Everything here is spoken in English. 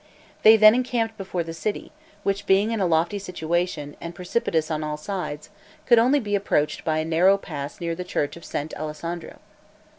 They then encamped before the city, which, being in a lofty situation, and precipitous on all sides, could only be approached by a narrow pass near the church of St. Alessandro.